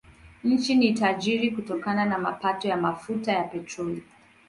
Nchi ni tajiri kutokana na mapato ya mafuta ya petroli.